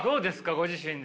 ご自身で。